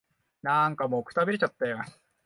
なんかもう、くたびれちゃったよ。